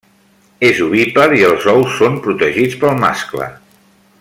És ovípar i els ous són protegits pel mascle.